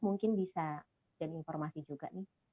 mungkin bisa jadi informasi juga nih